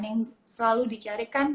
yang selalu dicarikan